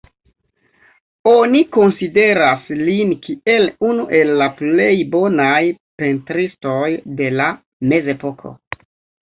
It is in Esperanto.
Oni konsideras lin kiel unu el la plej bonaj pentristoj de la mezepoko.